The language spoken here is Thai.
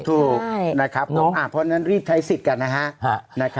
ถูกนะครับเพราะฉะนั้นรีบใช้สิทธิ์กันนะฮะ